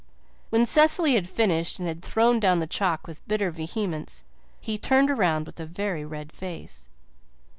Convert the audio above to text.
When Cecily had finished and had thrown down the chalk with bitter vehemence, he turned around with a very red face.